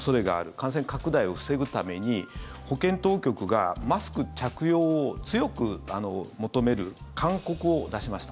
感染拡大を防ぐために保健当局がマスク着用を強く求める勧告を出しました。